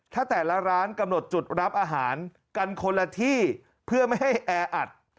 ถ้าแต่ละร้านกำหนดจุดรับอาหารกันคนละที่เพื่อไม่ให้แออัด